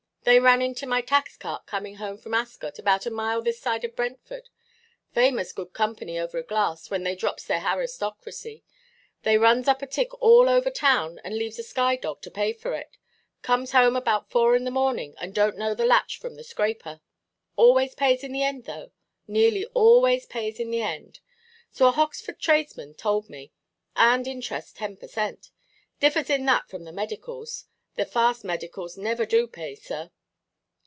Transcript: They ran into my tax–cart, coming home from Ascot, about a mile this side of Brentford. Famous good company over a glass, when they drops their aristocraxy; they runs up a tick all over town, and leaves a Skye dog to pay for it; comes home about four in the morning, and donʼt know the latch from the scraper. Always pays in the end, though; nearly always pays in the end—so a Hoxford tradesman told me—and interest ten per cent. Differs in that from the medicals; the fast medicals never do pay, sir."